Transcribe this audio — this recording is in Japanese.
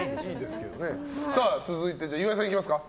続いて岩井さんいきますか。